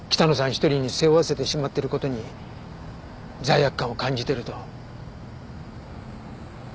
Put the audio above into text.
一人に背負わせてしまっている事に罪悪感を感じていると。